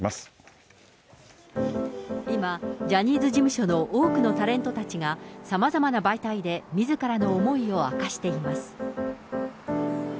今、ジャニーズ事務所の多くのタレントたちが、さまざまな媒体でみずからの思いを明かしています。